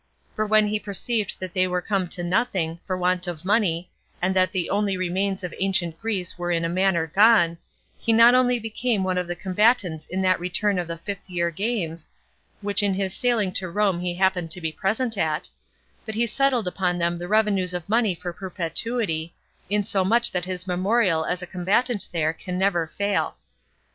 For when he perceived that they were come to nothing, for want of money, and that the only remains of ancient Greece were in a manner gone, he not only became one of the combatants in that return of the fifth year games, which in his sailing to Rome he happened to be present at, but he settled upon them revenues of money for perpetuity, insomuch that his memorial as a combatant there can never fail.